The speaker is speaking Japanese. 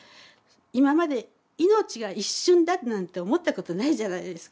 今まで命が一瞬だなんて思ったことないじゃないですか。